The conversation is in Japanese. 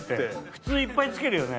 普通いっぱいつけるよね。